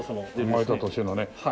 生まれた年のね。